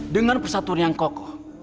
dengan persatuan yang kokoh